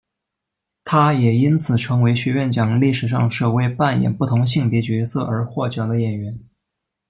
她也因此成为学院奖历史上首位扮演不同性别角色而获奖的演员。